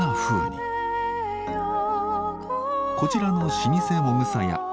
こちらの老舗もぐさ屋